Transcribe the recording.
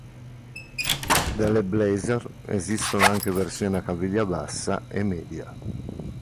Delle Blazer esistono anche versioni a caviglia bassa e media.